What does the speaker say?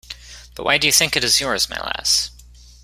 But why do you think it is yours, my lass?